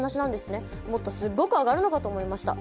もっとすっごく上がるのかと思いました。